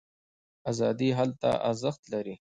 ازادي هلته ارزښت لري.